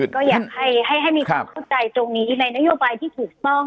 ก็อยากให้มีความเข้าใจตรงนี้ในนโยบายที่ถูกต้อง